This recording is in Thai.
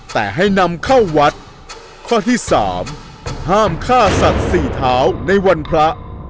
แต่ให้นำเข้าวัดข้อที่สามห้ามฆ่าสัตว์สี่เท้าในวันพระ